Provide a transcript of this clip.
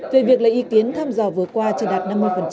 về việc lấy ý kiến thăm dò vừa qua chỉ đạt năm mươi